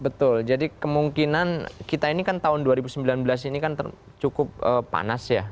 betul jadi kemungkinan kita ini kan tahun dua ribu sembilan belas ini kan cukup panas ya